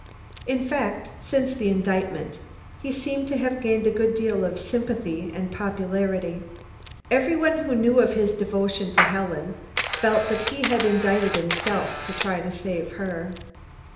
In fact, since the indictment, he seemed to have gained a good deal of sympathy and popularity. Every one who knew of his devotion to Helen felt that he had indicted himself to try to save her.